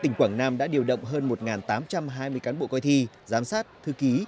tỉnh quảng nam đã điều động hơn một tám trăm hai mươi cán bộ coi thi giám sát thư ký